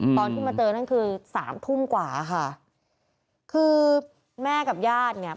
ตอนที่มาเจอนั่นคือสามทุ่มกว่าค่ะคือแม่กับญาติเนี่ย